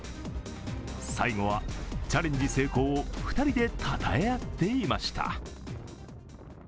最後は、チャレンジ成功を２人でたたえ合っていました。